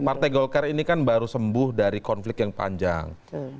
partai golkar ini kan baru sembuh dari konflik yang panjang